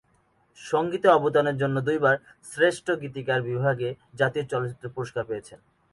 সঙ্গীতে অবদানের জন্য দুইবার শ্রেষ্ঠ গীতিকার বিভাগে জাতীয় চলচ্চিত্র পুরস্কার পেয়েছেন।